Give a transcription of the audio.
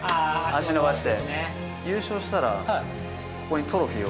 脚伸ばして。